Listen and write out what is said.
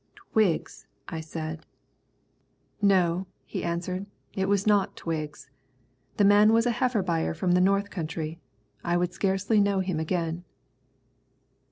"Twiggs!" I said. "No," he answered, "it was not Twiggs. The man was a heifer buyer from the north country. I would scarcely know him again."